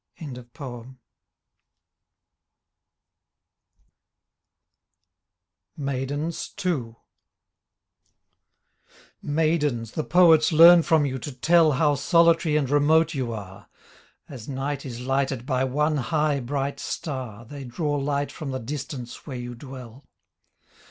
i8 MAIDENS. II Maidens the poets learn from you to tell How solitary and remote you are. As night is lighted by one high bright star They draw light from the distance where you dwell.